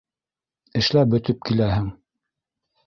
Эшләп бөтөп киләһең...